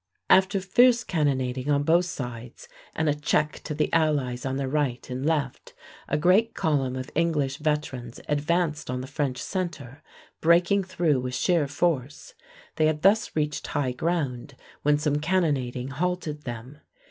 After fierce cannonading on both sides and a check to the allies on their right and left, a great column of English veterans advanced on the French centre, breaking through with sheer force. They had thus reached high ground when some cannonading halted them.